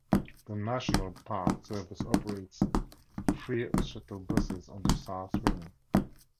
The National Park Service operates free shuttle buses on the South Rim.